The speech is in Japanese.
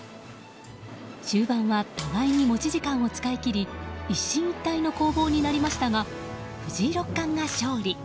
終盤は互いに持ち時間を使い切り一進一退の攻防になりましたが藤井六冠が勝利。